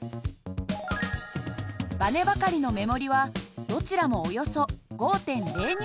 ばねばかりの目盛りはどちらもおよそ５．０Ｎ。